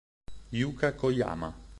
Yuka Koyama